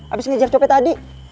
abis ngejar copet tadi